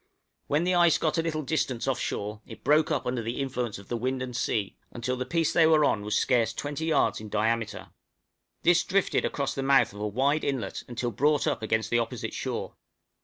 When the ice got a little distance off shore, it broke up under the influence of the wind and sea, until the piece they were upon was scarce 20 yards in diameter; this drifted across the mouth of a wide inlet until brought up against the opposite shore.